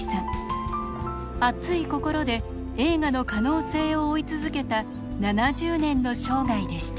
熱い心で映画の可能性を追い続けた７０年の生涯でした。